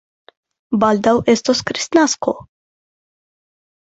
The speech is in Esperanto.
Baldaŭ estos kristnasko.